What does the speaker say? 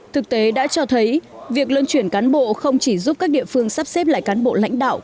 thực tế đã cho thấy việc luân chuyển cán bộ không chỉ giúp các địa phương sắp xếp lại cán bộ lãnh đạo